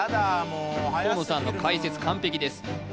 もう早すぎる河野さんの解説完璧です